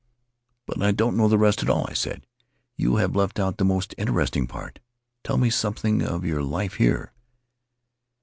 "But I don't know the rest at all!" I said. "You have left out the most interesting part. Tell me some thing of your life here."